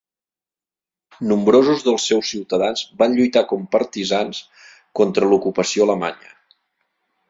Nombrosos dels seus ciutadans van lluitar com partisans contra l'ocupació alemanya.